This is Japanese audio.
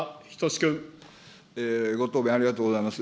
ご答弁、ありがとうございます。